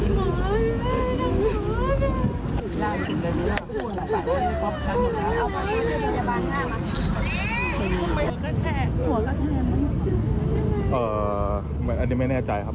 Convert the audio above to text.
นี่นี่นี่